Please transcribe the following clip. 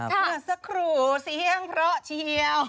เมื่อสักครู่เสียงเพราะเชียว